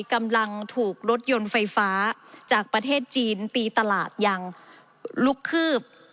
กำลังถูกรถยนต์ไฟฟ้าจากประเทศจีนตีตลาดอย่างลุกคืบ